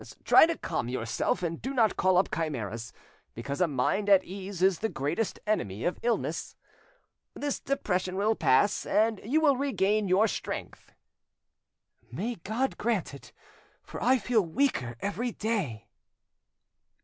Try to calm yourself, and do not call up chimeras; because a mind at ease is the greatest enemy of illness. This depression will pass, and then you will regain your strength." "May God grant it! for I feel weaker every day."